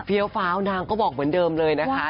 เฟียวเฟ้านางก็บอกเหมือนเดิมเลยนะคะ